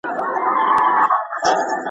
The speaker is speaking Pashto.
چي بیا تښتي له کابله زخمي زړونه مات سرونه!